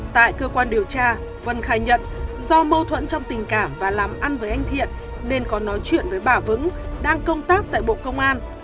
tại cơ quan điều tra vân khai nhận do mâu thuẫn trong tình cảm và làm ăn với anh thiện nên có nói chuyện với bà vững đang công tác tại bộ công an